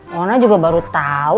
wana juga baru tau